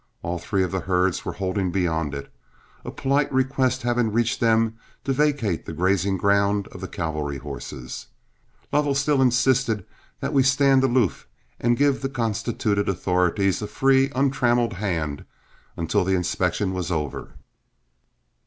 All three of the herds were holding beyond it, a polite request having reached them to vacate the grazing ground of the cavalry horses. Lovell still insisted that we stand aloof and give the constituted authorities a free, untrammeled hand until the inspection was over.